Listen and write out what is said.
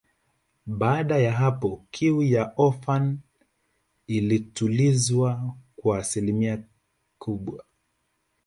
Baada ya hapo kiu ya Oprah ilitulizwa kwa asilimia kubwa